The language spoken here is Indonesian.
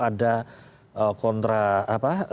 ada kontra apa